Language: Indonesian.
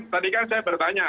tadi kan saya bertanya